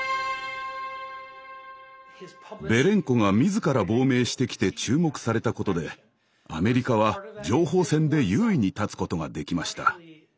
ベレンコが自ら亡命してきて注目されたことでアメリカは情報戦で優位に立つことができました。